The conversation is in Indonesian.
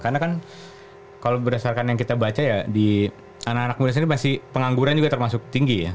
karena kan kalau berdasarkan yang kita baca ya di anak anak muda sendiri masih pengangguran juga termasuk tinggi ya